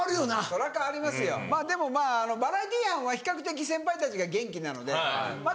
それは変わりますよでもまぁバラエティー班は比較的先輩たちが元気なのでまだ何となく。